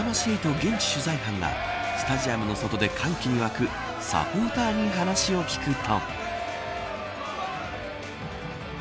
現地取材班がスタジアムの外で歓喜に沸くサポーターに話を聞くと。